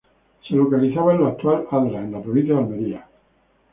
Se localizaba en la actual Adra, en la provincia de Almería.